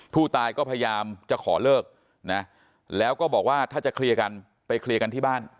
ผู้ตายก็พยายามจะขอเลิกนะแล้วก็บอกว่าถ้าจะเคลียร์กันไปเคลียร์กันที่บ้าน